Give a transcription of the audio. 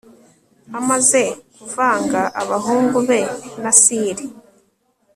amaze kuvanga abahungu be na sili